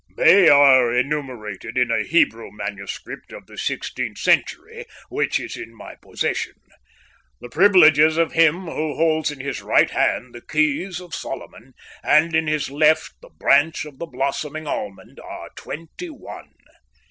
"They are enumerated in a Hebrew manuscript of the sixteenth century, which is in my possession. The privileges of him who holds in his right hand the Keys of Solomon and in his left the Branch of the Blossoming Almond are twenty one.